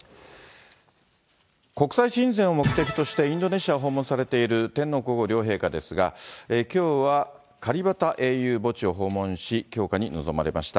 国際親善を目的として、インドネシアを訪問されている天皇皇后両陛下ですが、きょうはカリバタ英雄墓地を訪問し、供花に臨まれました。